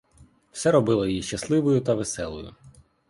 Все робило її щасливою та веселою.